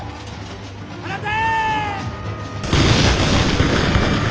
放て！